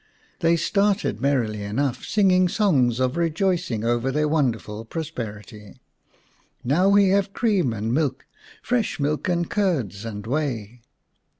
They started merrily enough, singing songs of rejoicing over their wonderful prosperity :" Now we have cream and milk, Fresh milk, and curds and whey."